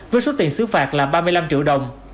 với số tiền xứ phạt là ba mươi năm triệu đồng